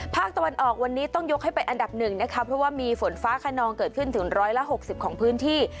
ภาคตะวันออกวันนี้ต้องยกให้เป็นอันดับหนึ่งนะคะเพราะว่ามีฝนฟ้าขนองเกิดขึ้นถึง๑๖๐ของพื้นที่